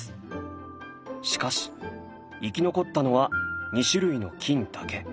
しかし生き残ったのは２種類の菌だけ。